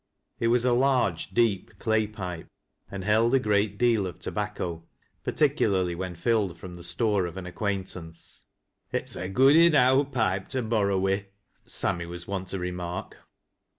It was a large, deep clay pipe, and held a great deal of tobacco — particularly when filled from the store of an acquaintance. " It's a good enow pipe to borrow wi'," Sammy was wont to remark.